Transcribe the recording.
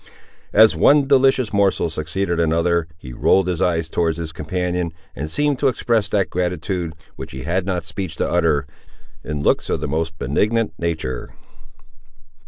As one delicious morsel succeeded another he rolled his eyes towards his companion, and seemed to express that gratitude which he had not speech to utter, in looks of the most benignant nature.